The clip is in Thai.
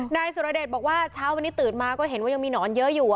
นายสุรเดชบอกว่าเช้าวันนี้ตื่นมาก็เห็นว่ายังมีหนอนเยอะอยู่